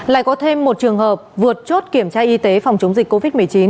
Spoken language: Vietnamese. lại có thêm một trường hợp vượt chốt kiểm tra y tế phòng chống dịch covid một mươi chín